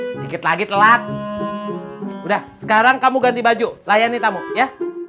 sedikit lagi telat udah sekarang kamu ganti baju layani tamu ya